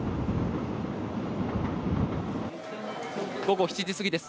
午後７時過ぎです。